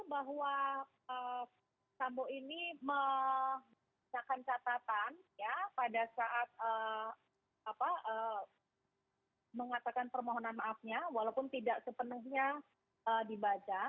bahwa verisambo ini menciptakan catatan pada saat mengatakan permohonan maafnya walaupun tidak sepenuhnya dibaca